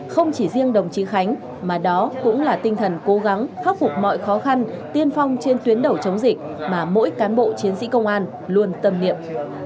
không chỉ riêng đồng chí khánh mà đó cũng là tinh thần cố gắng khắc phục mọi khó khăn tiên phong trên tuyến đầu chống dịch mà mỗi cán bộ chiến sĩ công an luôn tâm niệm